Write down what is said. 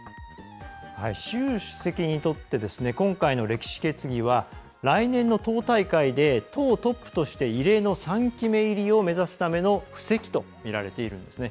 習主席にとって今回の歴史決議は来年の党大会で党トップとして異例の３期目入りを目指すための布石とみられているんです。